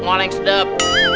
ngolah yang sedap